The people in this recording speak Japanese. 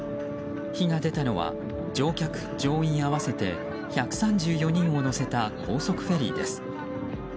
火が出たのは、乗客・乗員合わせて１３４人を乗せた高速フェリーです。